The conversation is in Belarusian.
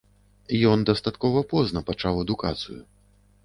Ён дастаткова позна пачаў адукацыю.